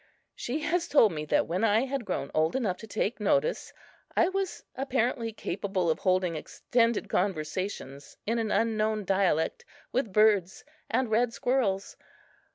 She has told me that when I had grown old enough to take notice, I was apparently capable of holding extended conversations in an unknown dialect with birds and red squirrels.